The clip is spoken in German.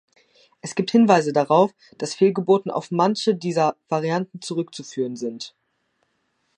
Es gibt Hinweise darauf, dass Fehlgeburten auf manche dieser Varianten zurückzuführen sind.